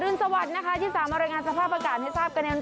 รุนสวัสดิ์นะคะที่สามารถรายงานสภาพอากาศให้ทราบกันใน